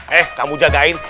hei kamu jagain